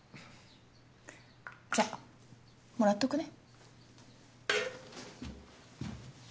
じゃもらっとくね。